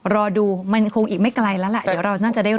รอดูมันคงอีกไม่ไกลแล้วแหละเดี๋ยวเราน่าจะได้รู้